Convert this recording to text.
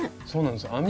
そうなんです